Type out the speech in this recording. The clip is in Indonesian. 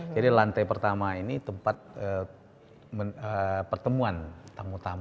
jadi lantai pertama ini tempat pertemuan tamu tamu